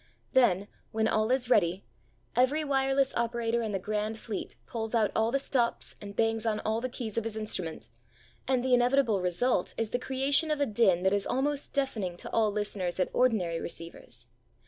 Then, when all is ready, every wireless operator in the Grand Fleet pulls out all the stops and bangs on all the keys of his instrument, and the inevitable result is the creation of a din that is almost deafening to all listeners at ordinary receivers.